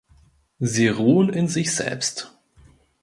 Sie ruhen in sich selbst.